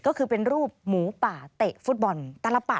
ก็คือเป็นรูปหมูป่าเตะฟุตบอลแต่ละปัด